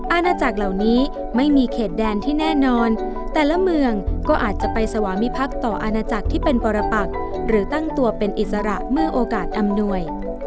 อาณาจักรเหล่านี้ไม่มีเขตแดนที่แน่นอนแต่ละเมืองก็อาจจะไปสวามิพักษ์ต่ออาณาจักรที่เป็นปรปักหรือตั้งตัวเป็นอิสระเมื่อโอกาสอำนวย